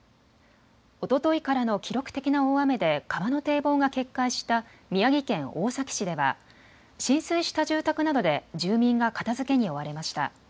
おとといからの記録的な大雨で川の堤防が決壊した宮城県大崎市では浸水した住宅などで住民が片づけに追われました。